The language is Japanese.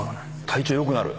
体調良くなる？